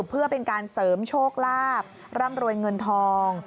เพื่อเป็นการเสริมโชคลาภร่ำรวยเงินทอง